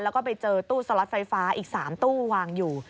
แล้วก็ไปเจอตู้สล็อตไฟฟ้าอีก๓ตู้วางอยู่